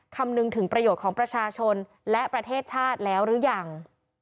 คำนึงถึงประโยชน์ของประชาชนและประเทศชาติแล้วหรือยัง